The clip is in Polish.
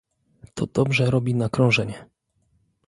To dobrze robi na krążenie